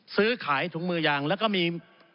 ซื้อขายถุงมือยางแล้วก็มี